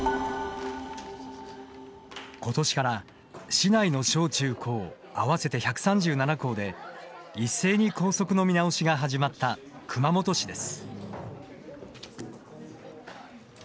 ことしから、市内の小・中・高合わせて１３７校で一斉に校則の見直しが始まった熊本市です。